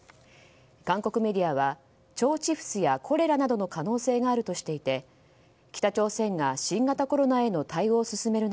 韓国メディアは腸チフスやコレラなどの可能性があるとしていて北朝鮮が新型コロナへの対応を進める